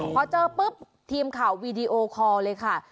พอเจอปุ๊บทีมข่าววีดีโอคอร์เลยค่ะ